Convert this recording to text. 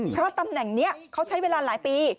เพราะตำแหน่งนี้เขาใช้เวลาหลายปี